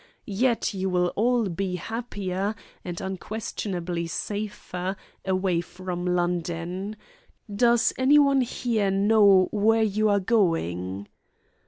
Yet you will all be happier, and unquestionably safer, away from London. Does anyone here know where you are going?"